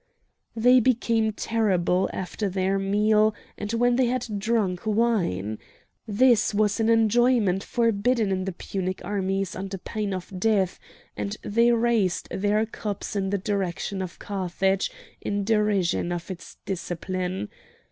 They became terrible after their meal and when they had drunk wine! This was an enjoyment forbidden in the Punic armies under pain of death, and they raised their cups in the direction of Carthage in derision of its discipline.